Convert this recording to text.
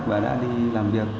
và đã đi làm việc